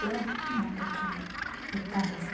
あの時行ったんですけれども。